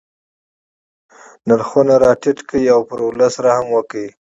نرخونه را ټیټ کړي او پر ولس رحم وکړي.